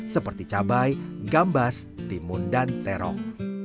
seperti cabai gambas timun dan terong